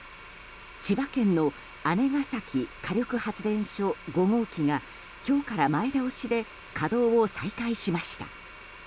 千葉県の姉崎火力発電所５号機が今日から前倒しで稼働を再開しました。